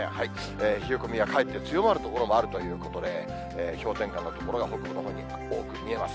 冷え込みはかえって強まる所もあるということで、氷点下の所が北部のほうに多く見えます。